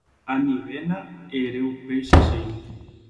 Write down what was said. Anivéna ere upéicha che irũ